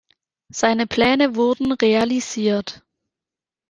Seine Pläne wurden realisiert.